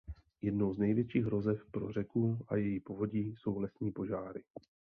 Jednou z největších hrozeb pro řeku a její povodí jsou lesní požáry.